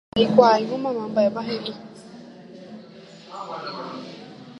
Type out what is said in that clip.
ndaikuaáingo mamá mba'épa he'i.